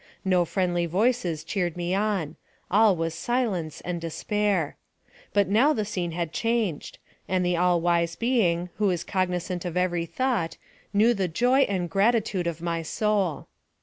No friendly voices cheered me on; all was silence and despair. But now the scene had changed, and the all wise Being, who is cog nizant of every thought, knew the joy and gratitude of my soul.